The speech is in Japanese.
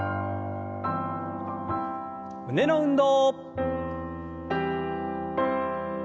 胸の運動。